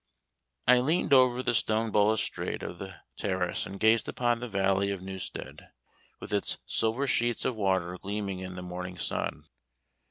I leaned over the stone balustrade of the terrace, and gazed upon the valley of Newstead, with its silver sheets of water gleaming in the morning sun.